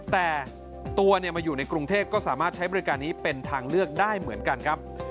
แต่ตัวมาอยู่ในกรุงเทพก็สามารถใช้บริการนี้เป็นทางเลือกได้เหมือนกันครับ